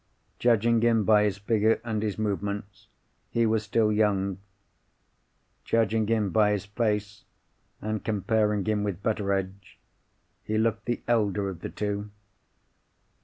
Judging him by his figure and his movements, he was still young. Judging him by his face, and comparing him with Betteredge, he looked the elder of the two.